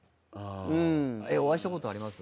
お会いしたことあります？